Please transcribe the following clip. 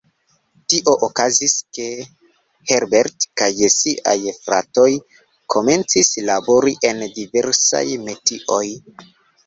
Tio okazigis, ke Herbert kaj siaj fratoj komencis labori en diversaj metioj.